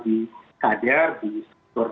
di kader di struktur